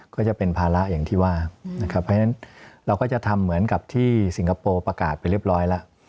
ก็จะเป็นภาระอย่างที่ว่าเราก็จะทำเหมือนกับที่สิงคโปร์ประกาศไปเรียบร้อยแล้ว